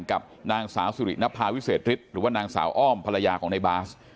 กับนางสาวสุรินภาวิเศษฤทธิ์หรือว่านางสาวอ้อมภรรยาของในบาส